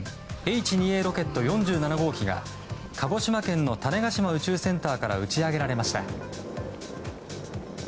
Ｈ２Ａロケット４７号機が鹿児島県の種子島宇宙センターから打ち上げられました。